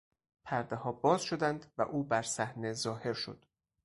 پردهها باز شدند و او برصحنه ظاهر شد.